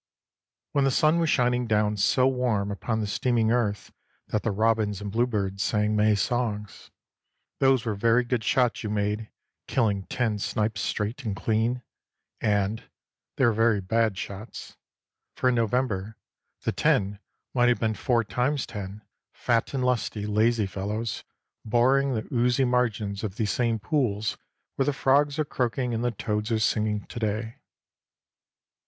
When the sun was shining down so warm upon the steaming earth that the robins and bluebirds sang May songs, those were very good shots you made, killing ten snipe straight and clean, and they were very bad shots. For in November the ten might have been four times ten fat and lusty, lazy fellows, boring the oozy margins of these same pools where the frogs are croaking and the toads are singing to day.